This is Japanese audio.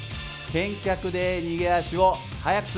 健脚で逃げ足を速くする。